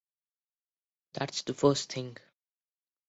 That's the first thing.